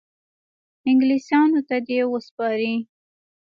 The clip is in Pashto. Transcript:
انګلیسیانو ته دي وسپاري.